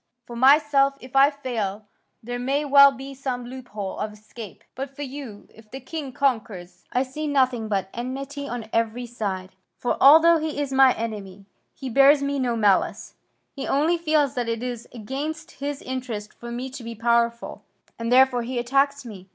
For myself, if I fail, there may well be some loophole of escape. But for you, if the king conquers, I see nothing but enmity on every side. For, although he is my enemy, he bears me no malice, he only feels that it is against his interest for me to be powerful and therefore he attacks me.